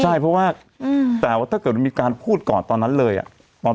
ใช่เพราะว่าแต่ว่าถ้าเกิดว่ามีการพูดก่อนตอนนั้นเลยอ่ะ